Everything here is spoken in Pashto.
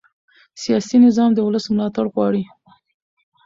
سیاسي نظام د ولس ملاتړ غواړي